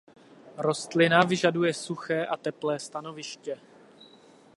Rostlina vyžaduje suché a teplé stanoviště.